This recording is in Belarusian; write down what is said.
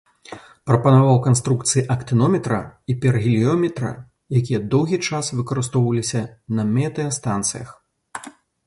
Прапанаваў канструкцыі актынометра і піргеліёметра, якія доўгі час выкарыстоўваліся на метэастанцыях.